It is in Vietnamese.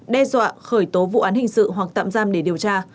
đe dọa khởi tố vụ án hình sự hoặc tạm giam để điều tra